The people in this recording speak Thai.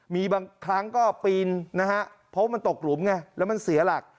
มีบางครั้งก็ปีนนะฮะเพราะว่ามันตกหลุมไงแล้วมันเสียหลัก